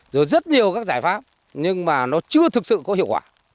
rồi rất nhiều các giải pháp nhưng mà nó chưa thực sự có hiệu quả